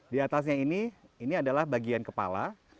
di atasnya ini ini adalah bagian kepala